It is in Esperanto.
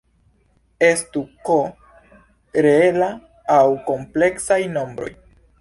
Estu "K" reelaj aŭ kompleksaj nombroj.